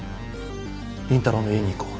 倫太郎の家に行こう。